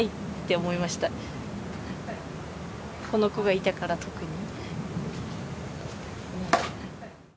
この子がいたから特に。